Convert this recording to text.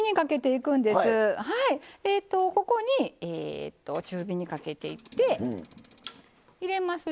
ここに中火にかけていって入れます